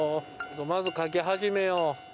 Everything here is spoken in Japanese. まず書き始めよう。